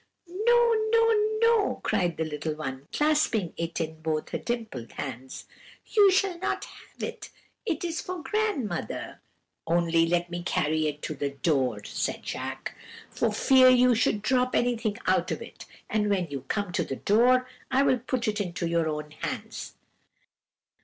"'No, no, no!' cried the little one, clasping it in both her dimpled hands; 'you shall not have it! it is for grandmother.' "'Only let me carry it to the door,' said Jacques, 'for fear you should drop anything out of it; and when you come to the door, I will put it into your own hands.'